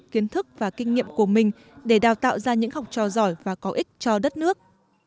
kiến thức và kinh nghiệm của mình để đào tạo ra những học trò giỏi và có ích cho đất nước